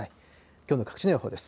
きょうの各地の予想です。